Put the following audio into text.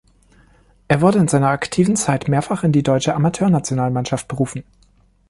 Er wurde in seiner aktiven Zeit mehrfach in die Deutsche Amateur-Nationalmannschaft berufen.